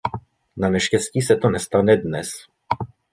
Naneštěstí se to nestane dnes.